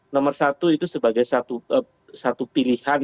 nomor satu itu sebagai satu pilihan